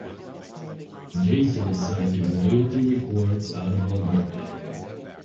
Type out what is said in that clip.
Jason is signed to Royalty Records out of Alberta.